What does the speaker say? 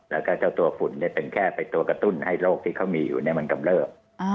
แล้วก็เจ้าตัวฝุ่นเป็นแค่ไปตัวกระตุ้นให้โรคที่เขามีอยู่มันกำเริบ